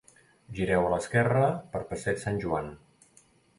Gireu a l'esquerra per Passeig Sant Joan